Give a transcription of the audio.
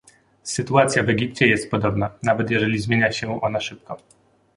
Sytuacja w Egipcie jest podobna, nawet jeżeli zmienia się ona szybko